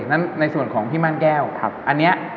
ในส่วนของพี่ม่านแก้วอันนี้